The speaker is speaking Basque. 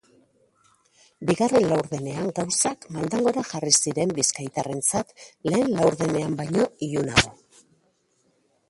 Bigarren laurdenean gauzak maldan gora jarri ziren bizkaitarrentzat, lehen laurdenean baino ilunago.